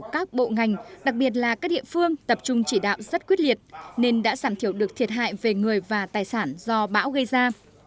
các bộ ngành đặc biệt là các địa phương tập trung chỉ đạo rất quyết liệt nên đã giảm thiểu được thiệt hại về người và tài sản do bão gây ra